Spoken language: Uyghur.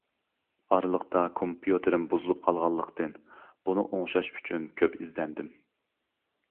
ئارىلىقتا كومپيۇتېرىم بۇزۇلۇپ قالغانلىقتىن بۇنى ئوڭلاش ئۈچۈن كۆپ ئىزدەندىم.